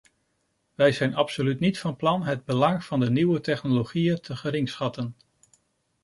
Wij zijn absoluut niet van plan het belang van de nieuwe technologieën te geringschatten.